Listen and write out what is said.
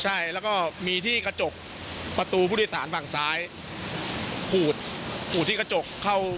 ใช่แล้วก็มีที่กระจกประตูผู้โดยสารฝั่งซ้ายขูดขูดที่กระจกเข้า